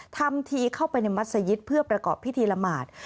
ทำทีเข้าไปในมัศยิตเพื่อประกอบพิธีละหมาด